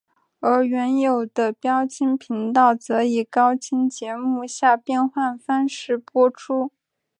而原有的标清频道则以高清节目下变换方式播出。